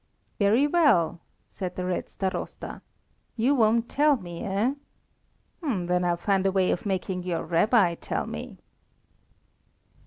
"Very well," said the Red Starosta, "you won't tell me, eh? Then I'll find a way of making your Rabbi tell me."